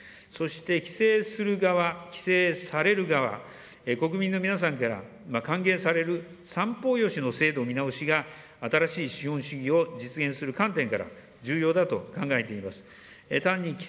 そして、規制する側、規制される側、国民の皆さんから還元される三方よしの制度見直しが新しい資本主義を実現する観点から、重要だと考えています。